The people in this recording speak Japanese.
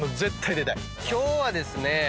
今日はですね